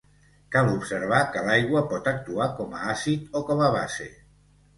Cal observar que l'aigua pot actuar com a àcid o com a base.